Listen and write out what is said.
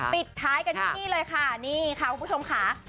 ปิดท้ายกันที่นี่เลยค่ะนี่ค่ะคุณผู้ชมค่ะ